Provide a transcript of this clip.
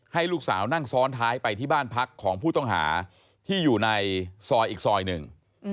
ให้ลูกสาวนั่งซ้อนท้ายไปที่บ้านพักของผู้ต้องหาที่อยู่ในซอยอีกซอยหนึ่ง